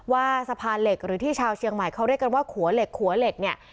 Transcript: ว่าสะพานเหล็กหรือที่ชาวเชียงใหม่เขาเรียกกันว่าขัวเหล็กขัวเหล็กเนี่ย